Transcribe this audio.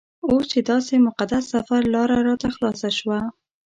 اوس چې داسې مقدس سفر لاره راته خلاصه شوه.